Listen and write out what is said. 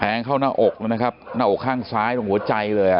เข้าหน้าอกแล้วนะครับหน้าอกข้างซ้ายตรงหัวใจเลยอ่ะ